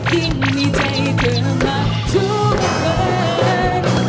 ยิ่งมีใจเธอมาทุกวัน